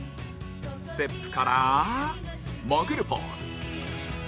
ステップから潜るポーズ